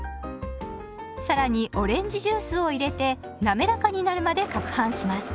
更にオレンジジュースを入れてなめらかになるまでかくはんします。